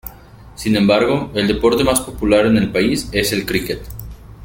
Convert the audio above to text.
Sin embargo, el deporte más popular en el país es el críquet.